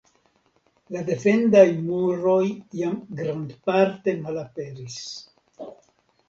La defendaj muroj jam grandparte malaperis.